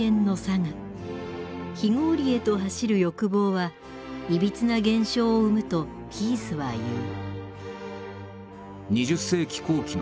非合理へと走る欲望はいびつな現象を生むとヒースは言う。